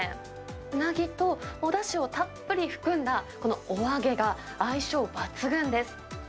うなぎとおだしをたっぷり含んだこのお揚げが相性抜群です。